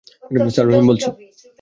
Sir, Rahim বলছি।